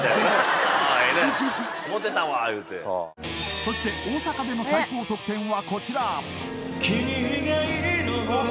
そして大阪での最高得点はこちら。